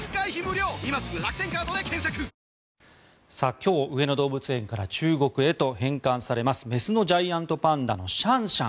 今日、上野動物園から中国へと返還されます雌のジャイアントパンダのシャンシャン。